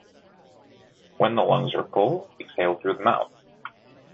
When the lungs are full, exhale through the mouth.